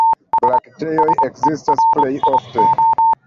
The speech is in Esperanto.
Brakteoj ekzistas plej ofte.